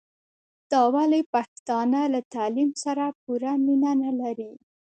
دا ولي پښتانه له تعليم سره پوره مينه نلري